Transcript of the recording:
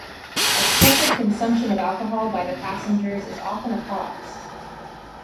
Excessive consumption of alcohol by the passengers is often a cause.